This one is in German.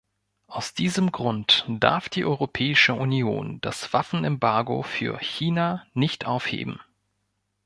Aus diesem Grund darf die Europäische Union das Waffenembargo für China nicht aufheben.